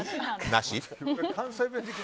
なし？